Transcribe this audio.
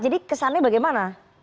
jadi kesannya bagaimana